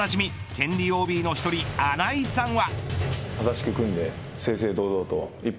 天理ＯＢの１人、穴井さんは。